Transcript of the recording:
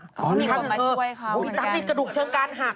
อ๋อพี่ตั๊กนี่ก็มาช่วยเขาเหมือนกันพี่ตั๊กนี่กระดูกเชิงการหัก